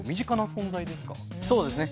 そうですね。